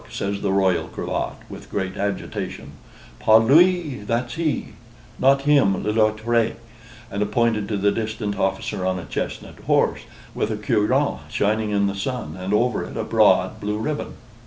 says the Royal Cravat, with great agitation, "pas lui, that's he; not him, l'autre," and pointed to the distant officer on a chestnut horse, with a cuirass shining in the sun, and over it a broad blue ribbon.